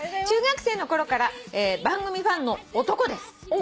中学生の頃から番組ファンの男です」